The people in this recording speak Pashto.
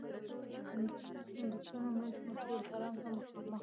بسونو موږ مسجدالحرام ته مخامخ.